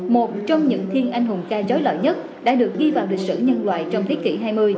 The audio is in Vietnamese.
một trong những thiên anh hùng ca trói lợi nhất đã được ghi vào lịch sử nhân loại trong thế kỷ hai mươi